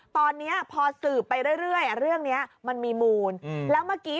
ตอนนี้พอสืบไปเรื่อยเรื่องนี้มันมีมูลแล้วเมื่อกี้